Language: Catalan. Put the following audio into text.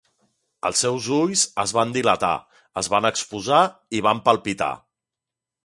Els seus ulls es van dilatar, es van exposar i van palpitar.